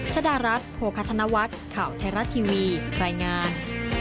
ชดารัฐโภคธนวัฒน์ข่าวไทยรัฐทีวีรายงาน